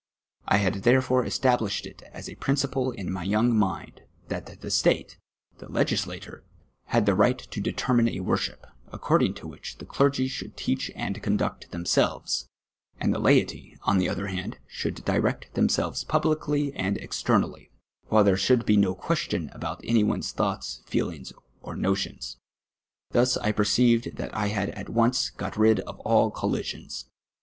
I had therolbrc cstaljlished it as a princ'i})le in my yoiuif; mind, that the state — the lejj^islator — had the ri<::ht to determine a worship, accordinu; to wliich the clergy should teach and conduct themselves, and the laity, on the other hand, should direct themselves j)u])licly and ex ternally ; M'hile there should be no question about any one's thoughts, feelings, or notions. Thus I perceived that I had at once got rid of all collisions.